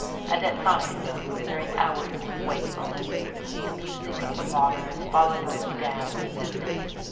And at night, during hours of wakefulness, the music of the waters falling over the dam was soothing.